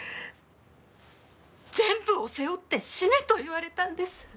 「全部を背負って死ね」と言われたんです。